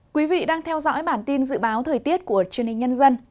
quý vị đang theo dõi bản tin dự báo thời tiết của truyền hình nhân dân